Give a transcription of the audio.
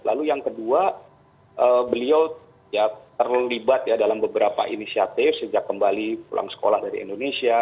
lalu yang kedua beliau ya terlibat ya dalam beberapa inisiatif sejak kembali pulang sekolah dari indonesia